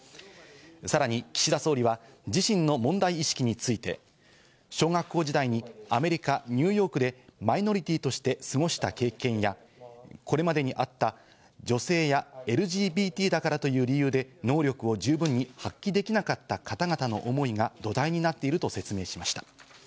さらに岸田総理は自身の問題意識について、小学校時代にアメリカ・ニューヨークでマイノリティーとして過ごした経験やこれまでにあった女性やＬＧＢＴだからという理由で能力を十分に発揮できなかった方々の思いが土台になっていると説明しました。